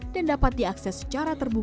dan dapat diakses secara terbuka